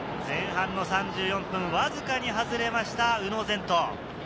前半の３４分、わずかに外れました、宇野禅斗。